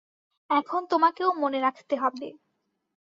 এখন তোমাকেও মনে রাখতে হবে।